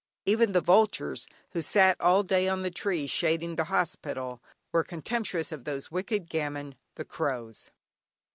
Even the vultures, who sat all day on the trees shading the hospital, were contemptuous of those wicked "gamin" the crows.